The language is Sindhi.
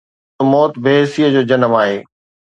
تجسس جو موت بي حسيءَ جو جنم آهي.